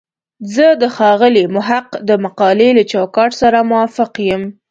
زه د ښاغلي محق د مقالې له چوکاټ سره موافق یم.